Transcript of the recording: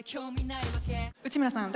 内村さん